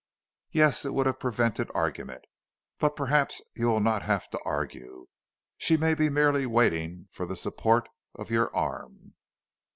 "Yes, it would have prevented argument. But perhaps you will not have to argue. She may be merely waiting for the support of your arm."